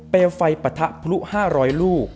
เปรียบไฟปะทะพลุ๕๐๐ลูก